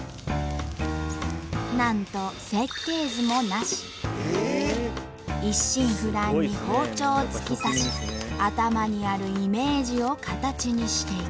なんと一心不乱に包丁を突き刺し頭にあるイメージを形にしていく。